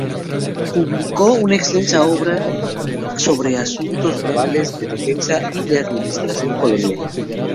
Publicó una extensa obra sobre asuntos navales, de defensa y de administración colonial.